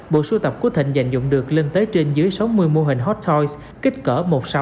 bộ sưu tập của thịnh dành dụng được lên tới trên dưới sáu mươi mô hình hot toy kích cỡ một sáu